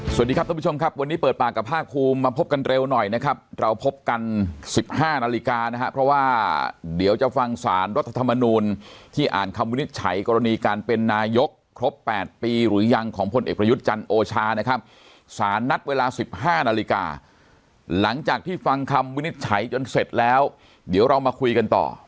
สวัสดีครับทุกผู้ชมครับวันนี้เปิดปากกับภาคภูมิมาพบกันเร็วหน่อยนะครับเราพบกัน๑๕นาฬิกานะครับเพราะว่าเดี๋ยวจะฟังสารรัฐธรรมนูลที่อ่านคำวินิจฉัยกรณีการเป็นนายกครบ๘ปีหรือยังของพลเอกประยุทธ์จันทร์โอชานะครับสารนัดเวลาสิบห้านาฬิกาหลังจากที่ฟังคำวินิจฉัยจนเสร็จแล้วเดี๋ยวเรามาคุยกันต่อ